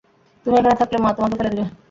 তুমি এখানে থাকলে মা তোমাকে ফেলে দিবে।